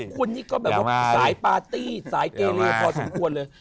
คนนี้ก็แบบสายปาตี้สายเกเลพอสมควรเลย